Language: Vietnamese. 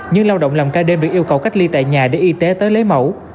những lao động làm ca đêm được yêu cầu cách ly tại nhà để y tế tới lấy mẫu